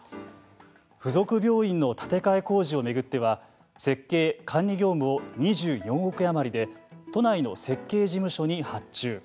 付属病院の建て替え工事を巡っては設計・管理業務を２４億円余りで都内の設計事務所に発注。